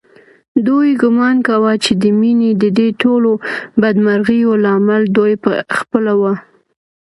دوی ګومان کاوه چې د مينې ددې ټولو بدمرغیو لامل دوی په خپله و